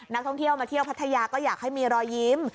นักท่องเที่ยวมาเที่ยวพัทยาก็อยากให้มีรอยยิ้ม